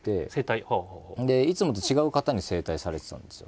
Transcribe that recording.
でいつもと違う方に整体されてたんですよ。